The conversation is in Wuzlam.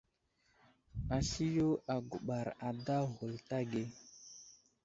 Asliyo aguɓar ada ghulta age.